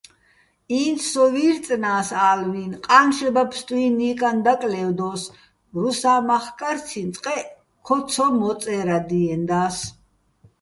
ინც სო ვი́რწნა́ს ალვინ, ყა́ნშება ფსტუჲნო̆ ჲიკაჼ დაკლე́ვდო́ს, რუსა́ მახკარციჼ წყეჸ ქო ცო მოწე́რადიენდა́ს.